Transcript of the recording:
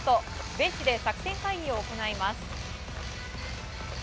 ベンチで作戦会議を行います。